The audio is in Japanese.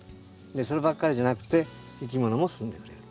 そればっかりじゃなくていきものもすんでくれる。